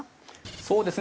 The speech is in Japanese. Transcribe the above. そうですね